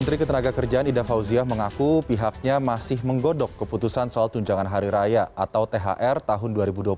menteri ketenaga kerjaan ida fauziah mengaku pihaknya masih menggodok keputusan soal tunjangan hari raya atau thr tahun dua ribu dua puluh